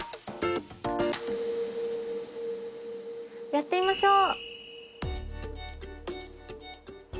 やってみましょう。